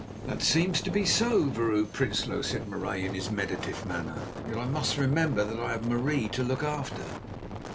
"That seems to be so, Vrouw Prinsloo," said Marais in his meditative manner; "yet I must remember that I have Marie to look after."